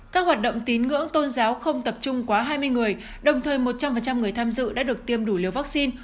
các hoạt động tín ngưỡng tôn giáo không tập trung quá hai mươi người đồng thời một trăm linh người tham dự đã được tiêm đủ liều vaccine